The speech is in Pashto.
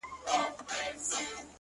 د سترگو اوښکي دي خوړلي گراني ـ